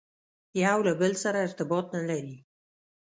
یو له بل سره ارتباط نه لري.